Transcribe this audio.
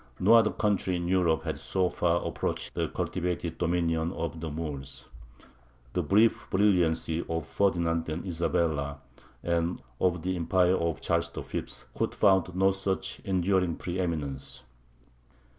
No other country in Europe had so far approached the cultivated dominion of the Moors. The brief brilliancy of Ferdinand and Isabella, and of the empire of Charles V., could found no such enduring preëminence.